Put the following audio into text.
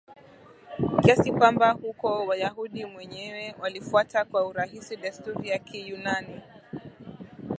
kiasi kwamba huko Wayahudi wenyewe walifuata kwa urahisi desturi za Kiyunani